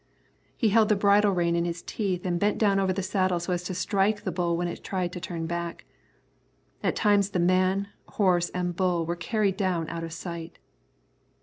He held the bridle rein in his teeth and bent down over the saddle so as to strike the bull when it tried to turn back. At times the man, horse, and bull were carried down out of sight.